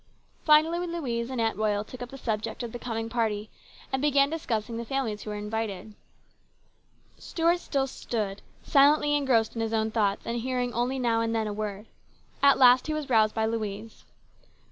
Finally Louise and Aunt Royal took up the subject of the coming party and began discussing the families who were invited. Stuart still stood silently engrossed in his own thoughts, and hearing only now and then a word. At last he was roused by Louise.